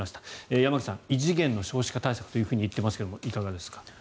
山口さん、異次元の少子化対策というふうに言っていますがいかがですか。